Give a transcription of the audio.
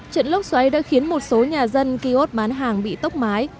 trận lốc xoáy đã khiến một số nhà dân ký ốt bán hàng bị tốc mái